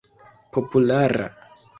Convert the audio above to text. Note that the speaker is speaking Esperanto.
populara